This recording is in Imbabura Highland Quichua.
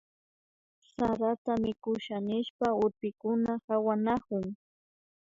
Sarata mikusha nishpa urpikuna pawanakun